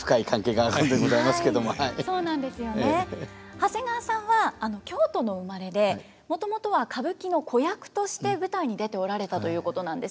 長谷川さんは京都のお生まれでもともとは歌舞伎の子役として舞台に出ておられたということなんです。